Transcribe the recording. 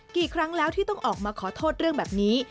กี่ครั้งแล้วที่ต้องออกมาขอโทษเรื่องแบบนี้